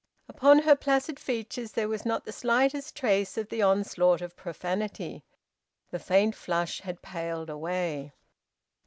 Upon her placid features there was not the slightest trace of the onslaught of profanity. The faint flush had paled away.